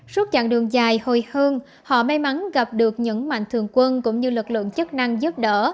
suốt chặng đường dài hồi hương họ may mắn gặp được những mạnh thường quân cũng như lực lượng chức năng giúp đỡ